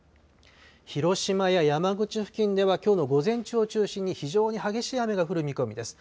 広島や山口付近ではきょうの午前中を中心に非常に激しい雨が降る見込みです。